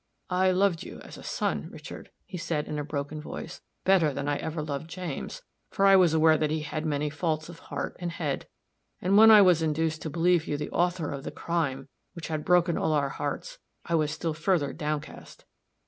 "I loved you as a son, Richard," he said, in a broken voice, "better than I ever loved James, for I was aware that he had many faults of heart and head. And when I was induced to believe you the author of the crime which had broken all our hearts, I was still further downcast.